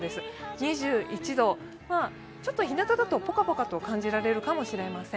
２１度、ちょっと日なただとぽかぽかと感じられるかもしれません。